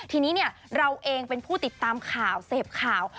ทีนี้เราเองเป็นผู้ติดตามข่าวเสพข่าว